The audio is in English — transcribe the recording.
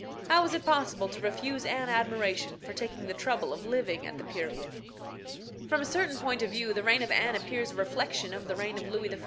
How was it possible to refuse Anne admiration for taking the trouble of living at the period? From a certain point of view, the reign of Anne appears a reflection of the reign of Louis XIV.